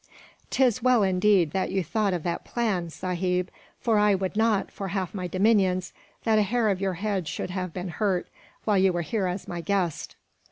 "'Tis well, indeed, that you thought of that plan, sahib; for I would not, for half my dominions, that a hair of your head should have been hurt, while you were here as my guest."